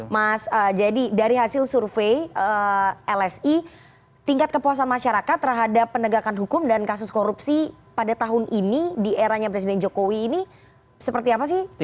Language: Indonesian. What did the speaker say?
mas jadi dari hasil survei lsi tingkat kepuasan masyarakat terhadap penegakan hukum dan kasus korupsi pada tahun ini di eranya presiden jokowi ini seperti apa sih